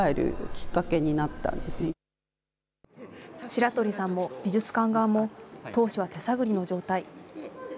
白鳥さんも美術館側も、当初は手探りの状態。